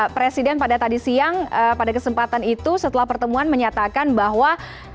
presiden pada tadi siang pada kesempatan itu setelah pertemuan menyatakan bahwa